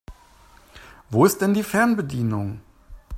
Wo ist denn die Fernbedienung?